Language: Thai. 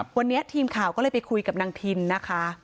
วันนี้ทีมข่าวก็เลยไปคุยกับนางทินนะคะ